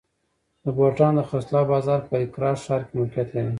د بوټانو د خرڅلاو بازار په اکرا ښار کې موقعیت درلود.